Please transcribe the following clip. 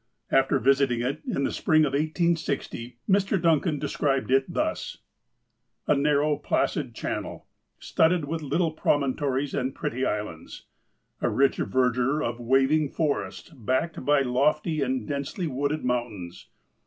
After visiting it in the spring of 1860, Mr. Duncan describes it thus :" A narrow, placid channel, studded with little promontories and pretty islands. A rich verdure, a waving forest, backed by lofty, but densely wooded, mountains.